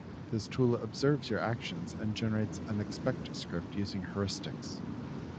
This tool observes your actions and generates an expect script using heuristics.